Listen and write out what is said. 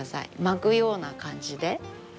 巻くような感じで。